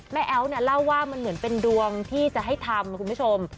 แอ๊วเนี่ยเล่าว่ามันเหมือนเป็นดวงที่จะให้ทำคุณผู้ชม